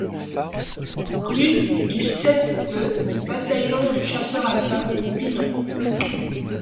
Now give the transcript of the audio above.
Rue du sept e Bataillon de Chasseurs Alpins, Pinon